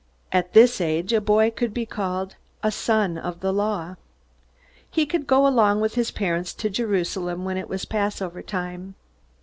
At this age a boy could be called "a son of the Law." He could go along with his parents to Jerusalem when it was Passover time.